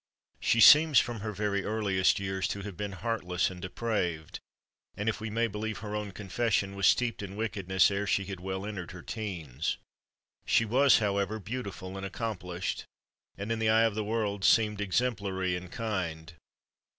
She seems, from her very earliest years, to have been heartless and depraved; and, if we may believe her own confession, was steeped in wickedness ere she had well entered her teens. She was, however, beautiful and accomplished; and, in the eye of the world, seemed exemplary and kind.